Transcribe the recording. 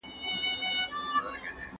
دا ویډیو په ډېره مینه جوړه شوې ده.